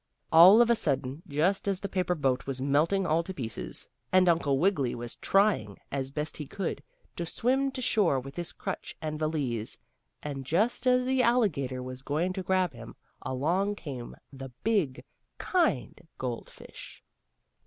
All of a sudden, just as the paper boat was melting all to pieces, and Uncle Wiggily was trying, as best he could, to swim to shore with his crutch and valise, and just as the alligator was going to grab him, along came the big, kind goldfish.